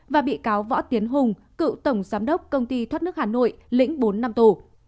và bị cáo võ tiến hùng cựu tổng giám đốc công ty thoát nước hà nội lĩnh bốn năm tù